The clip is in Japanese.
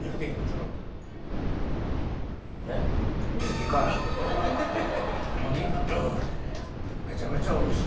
うんめちゃめちゃおいしい。